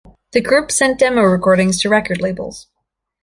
The group sent demo recordings to record labels.